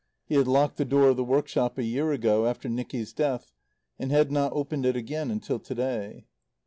He had locked the door of the workshop a year ago, after Nicky's death, and had not opened it again until to day.